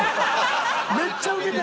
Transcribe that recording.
めっちゃウケてる。